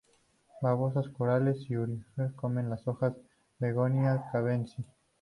Babosas, caracoles y orugas comen las hojas de "Begonia cubensis".